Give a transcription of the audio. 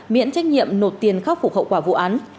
miễn trách nhiệm nộp tiền khắc phục hậu quả vụ án